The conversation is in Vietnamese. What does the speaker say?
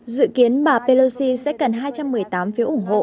dự kiến bà pelosi sẽ cần hai trăm một mươi tám phiếu ủng hộ